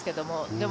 でも、